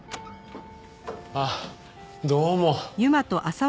あっどうも。